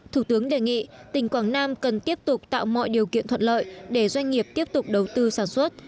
thủ tướng đề nghị tỉnh quảng nam cần tiếp tục tạo mọi điều kiện thuận lợi để doanh nghiệp tiếp tục đầu tư sản xuất